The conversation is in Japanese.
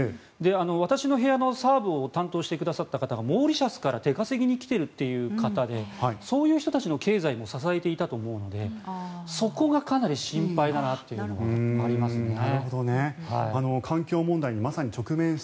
私の部屋のサーブを担当してくださった方がモーリシャスから出稼ぎに来ているという方でそういう人たちの経済も支えていたと思うのでそこがかなり心配だなというのはありますね。